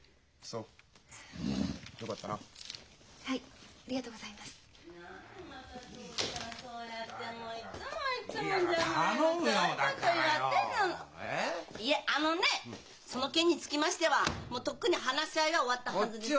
その件につきましてはもうとっくに話し合いは終わったはずです。